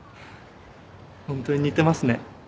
ホントに似てますね。